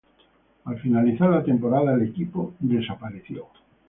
Al finalizar la temporada el equipo desapareció.